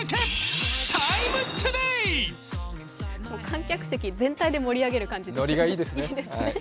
観客席全体で盛り上げる感じですね。